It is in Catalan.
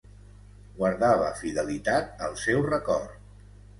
Guardava fidelitat al seu record.